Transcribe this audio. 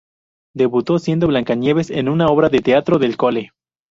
Debutó siendo Blancanieves en una obra de teatro del cole.